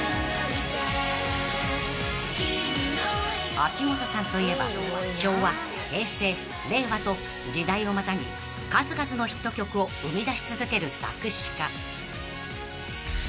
［秋元さんといえば昭和平成令和と時代をまたぎ数々のヒット曲を生み出し続ける作詞家］